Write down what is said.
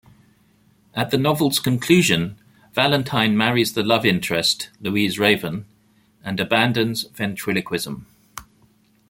At the novel's conclusion, Valentine marries the love interest, Louise Raven, and abandons ventriloquism.